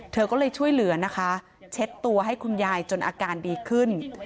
เธอก็เลยช่วยเหลือนะคะเช็ดตัวให้คุณยายจนอาการดีขึ้น